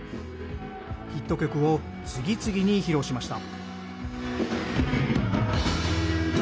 ヒット曲を次々に披露しました。